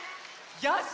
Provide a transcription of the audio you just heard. よし！